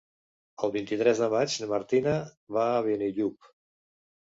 El vint-i-tres de maig na Martina va a Benillup.